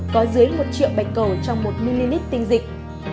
có dưới một triệu bạch cầu trong một ml tinh dịch